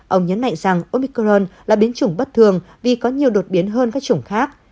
ông nhấn mạnh rằng omicron là biến chủng bất thường vì có nhiều đột biến hơn các chủng khác